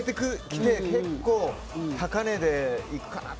結構高値でいくかなと。